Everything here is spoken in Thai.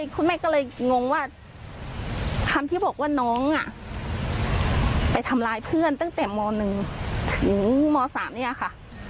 คุณแม่ก็เลยงงว่าคำที่บอกว่าน้องไปทำร้ายเพื่อนตั้งแต่ม๑ถึงม๓เนี่ยค่ะ